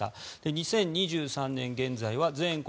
２０２３年現在は全国